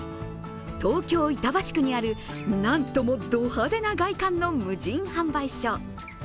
東京・板橋区にある、なんともド派手な外観の無人販売所。